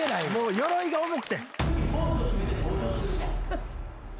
よろいが重くて。